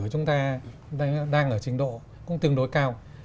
chúng ta đang ở trình độ cũng tương đối cao